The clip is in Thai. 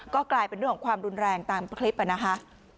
ก็กลายเป็นเรื่องของความรุนแรงตามคลิปนะคะ